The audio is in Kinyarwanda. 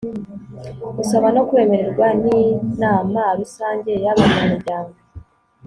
gusaba no kwemerwa n'inama rusange y'abanyamuryango